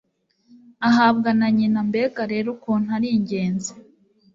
ahabwa na nyina Mbega rero ukuntu ari ingenzi